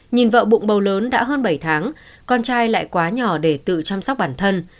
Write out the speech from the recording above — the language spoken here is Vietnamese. nhìn vợ bụng bầu lớn đã hơn bảy tháng con trai lại quá nhỏ để tự chăm sóc bản thân